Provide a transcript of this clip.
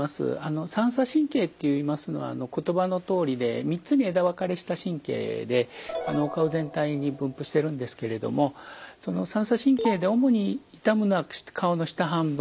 三叉神経っていいますのは言葉のとおりで３つに枝分かれした神経でお顔全体に分布しているんですけれどもその三叉神経で主に痛むのは顔の下半分。